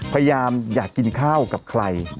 พยายามอยากกินข้าวกับใคร